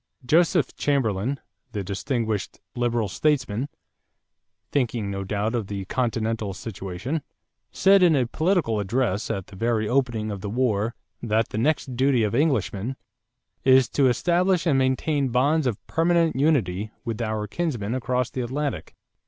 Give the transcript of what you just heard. Joseph Chamberlain, the distinguished Liberal statesman, thinking no doubt of the continental situation, said in a political address at the very opening of the war that the next duty of Englishmen "is to establish and maintain bonds of permanent unity with our kinsmen across the Atlantic....